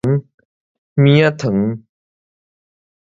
棉仔糖